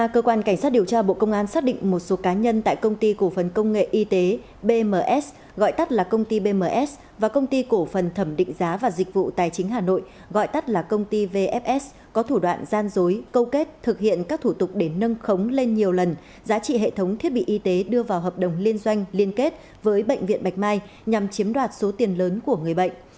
công an xác định một số cá nhân tại công ty cổ phần công nghệ y tế bms gọi tắt là công ty bms và công ty cổ phần thẩm định giá và dịch vụ tài chính hà nội gọi tắt là công ty vfs có thủ đoạn gian dối câu kết thực hiện các thủ tục để nâng khống lên nhiều lần giá trị hệ thống thiết bị y tế đưa vào hợp đồng liên doanh liên kết với bệnh viện bạch mai nhằm chiếm đoạt số tiền lớn của người bệnh